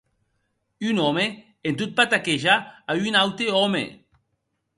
Un òme en tot pataquejar a un aute òme!